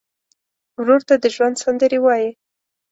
ورور ته د ژوند سندرې وایې.